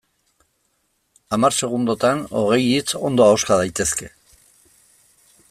Hamar segundotan hogei hitz ondo ahoska daitezke.